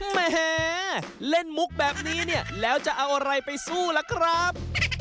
แหมเล่นมุกแบบนี้เนี่ยแล้วจะเอาอะไรไปสู้ล่ะครับ